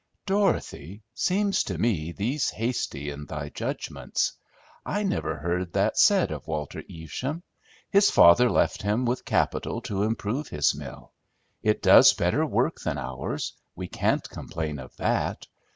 "Dorothy, seems to me thee's hasty in thy judgments. I never heard that said of Walter Evesham. His father left him with capital to improve his mill. It does better work than ours; we can't complain of that.